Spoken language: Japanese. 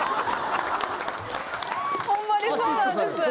ホンマにそうなんです。